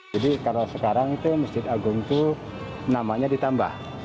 jadi karena sekarang itu masjid agung itu namanya ditambah